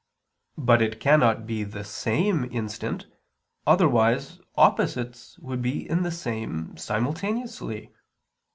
But it cannot be the same instant, otherwise opposites would be in the same simultaneously.